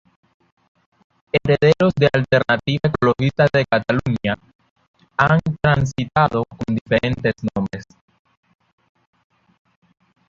Herederos de "Alternativa Ecologista de Catalunya", han transitado con diferentes nombres.